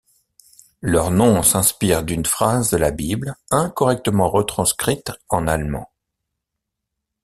Leur nom s'inspire d'une phrase de la Bible incorrectement retranscrite en allemand.